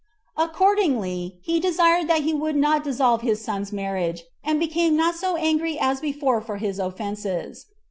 Accordingly, he desired that he would not dissolve his son's marriage, and became not so angry as before for his offenses.